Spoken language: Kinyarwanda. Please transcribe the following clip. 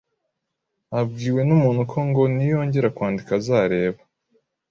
abwiwe n’umuntu ko ngo niyongera kwandika azareba,